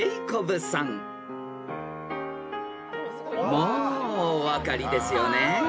［もうお分かりですよね］